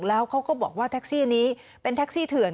แล้วเขาก็บอกว่าแท็กซี่นี้เป็นแท็กซี่เถื่อน